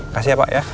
kasih ya pak ya